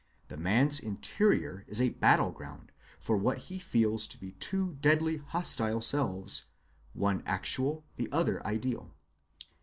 The man's interior is a battle‐ground for what he feels to be two deadly hostile selves, one actual, the other ideal.